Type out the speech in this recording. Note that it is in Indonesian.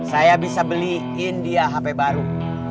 saya bisa beliin dia hp baru